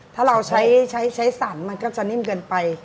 ถ้าเราใช้สรรมันก็จะนิ่มเกินไป